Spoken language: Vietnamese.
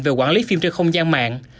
về quản lý phim trên không gian mạng